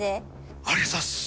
ありがとうございます。